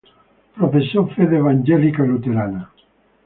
Professò fede evangelica-luterana.